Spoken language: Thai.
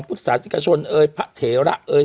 พุทธศาสนิกชนเอ่ยพระเถระเอย